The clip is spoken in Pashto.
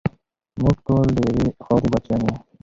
موږ ټول د یوې خاورې بچیان یو.